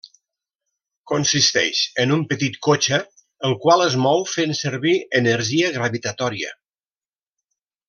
Consisteix en un petit cotxe el qual es mou fent servir energia gravitatòria.